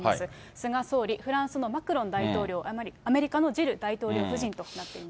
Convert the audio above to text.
菅総理、フランスのマクロン大統領、アメリカのジル大統領夫人となっています。